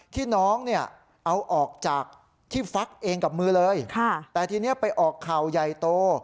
ที่น้องเนี่ยเอาออกจากที่ฟักเองกับมือเลยแต่ทีนี้ไปออกข่าวใหญ่โต